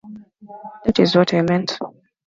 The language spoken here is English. That is what I meant.